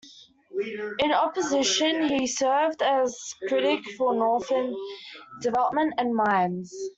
In opposition, he served as critic for Northern Development and Mines.